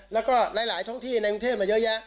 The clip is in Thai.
แล้วก็หลายท้องที่ในกรุงเทพมาเยอะแยะ